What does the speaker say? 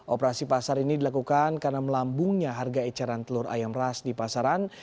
operasi pasar ini dilakukan karena melambungnya harga eceran telur ayam ras di pasaran